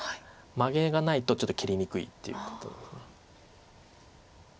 マゲがないとちょっと切りにくいっていうことです。